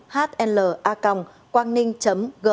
thông tin này cũng đã kết thúc bản tin nhanh của chúng tôi